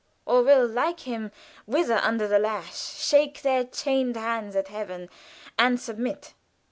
or will, like him, writhe under the lash, shake their chained hands at Heaven, and submit.